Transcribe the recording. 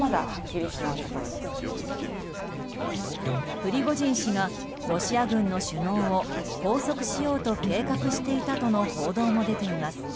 プリゴジン氏がロシア軍の首脳を拘束しようと計画していたとの報道も出ています。